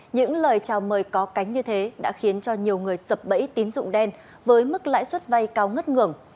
những lời chào mời có cánh như thế đã khiến cho nhiều người sập bẫy tín dụng đen với mức lãi suất vay cao ngất ngường